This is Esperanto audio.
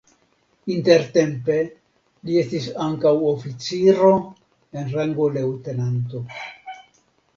Intertempe li estis ankaŭ oficiro en rango leŭtenanto.